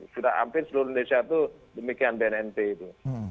sudah hampir seluruh indonesia itu demikian bnnp itu